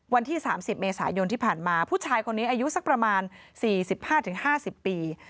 วันที่สามสิบเมษายนที่ผ่านมาผู้ชายคนนี้อายุสักประมาณสี่สิบห้าถึงห้าสิบปี